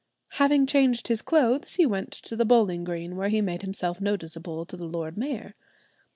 Having changed his clothes, he went to the bowling green, where he made himself noticeable to the lord mayor.